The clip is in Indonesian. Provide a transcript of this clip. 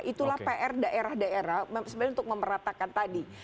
itulah pr daerah daerah sebenarnya untuk memeratakan tadi